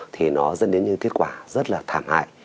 thì nó dẫn đến những kết quả rất là thảm hại